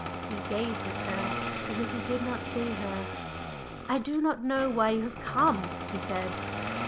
He gazed at her as if he did not see her. "I do not know why you have come," he said.